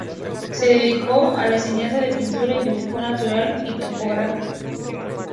Se dedicó a la enseñanza de pintura y dibujo natural y topográfico.